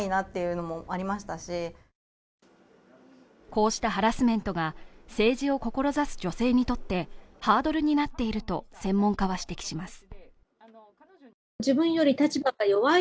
こうしたハラスメントが政治を志す女性にとってハードルになっていると専門家は指摘します